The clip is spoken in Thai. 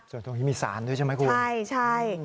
ส่วนตรงนี้มีสารด้วยใช่ไหมคุณใช่ใช่